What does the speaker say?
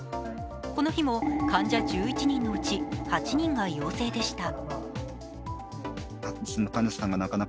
この日も、患者１１人のうち８人が陽性でした。